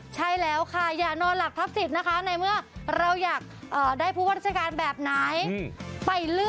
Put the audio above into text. ใช่แล้วค่ะอย่านอนหลับทับสิทธิ์นะคะในเมื่อเราอยากได้ผู้ว่าราชการแบบไหน